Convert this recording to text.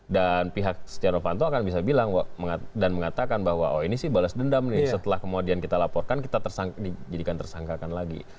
dan pihak setia novanto akan bisa bilang dan mengatakan bahwa oh ini sih balas dendam nih setelah kemudian kita laporkan kita dijadikan tersangkakan lagi